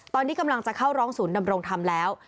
ตอนนี้กำลังจะเข้าร้องศูนย์ดำรงธรรมแล้ว